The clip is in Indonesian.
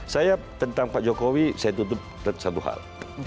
saya tentang pak jokowi saya tutup satu hal